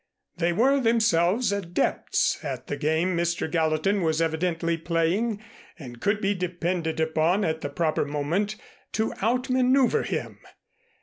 They were themselves adepts in the game Mr. Gallatin was evidently playing and could be depended upon at the proper moment to out maneuver him.